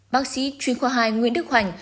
bác sĩ chuyên khoa hai nguyễn đức hoành